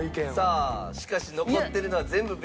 さあしかし残ってるのは全部ベスト４。